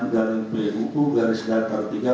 garis gakar tiga belas